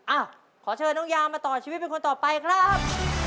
อ่ะขอเชิญน้องยามาต่อชีวิตเป็นคนต่อไปครับ